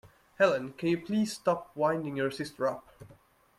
Helen, can you please stop winding your sister up?